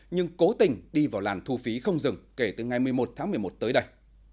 nhưng cố tình đi vào làn thu phí không dừng kể từ ngày một mươi một tháng một mươi một tới đây